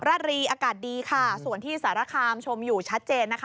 รารีอากาศดีค่ะส่วนที่สารคามชมอยู่ชัดเจนนะคะ